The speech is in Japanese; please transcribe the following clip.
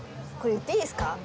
これ言っていいですか？